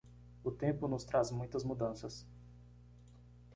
O tempo nos traz muitas mudanças.